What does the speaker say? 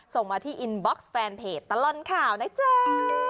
ส่งมาที่อินบ็อกซ์แฟนเพจตลอดข่าวนะจ๊ะ